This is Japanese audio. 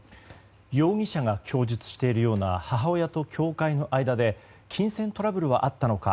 容疑者が供述しているような母親と教会の間で金銭トラブルはあったのか。